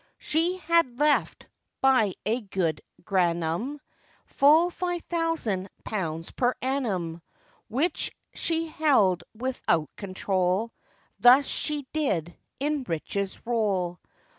She had left, by a good grannum, Full five thousand pounds per annum, Which she held without control; Thus she did in riches roll.